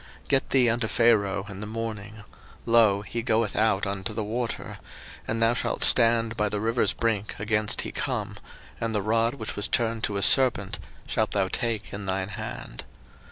02:007:015 Get thee unto Pharaoh in the morning; lo, he goeth out unto the water; and thou shalt stand by the river's brink against he come; and the rod which was turned to a serpent shalt thou take in thine hand.